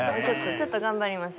ちょっと頑張ります。